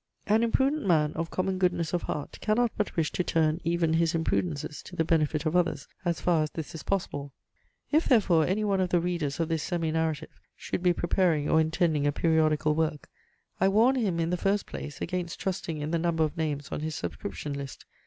An imprudent man of common goodness of heart cannot but wish to turn even his imprudences to the benefit of others, as far as this is possible. If therefore any one of the readers of this semi narrative should be preparing or intending a periodical work, I warn him, in the first place, against trusting in the number of names on his subscription list.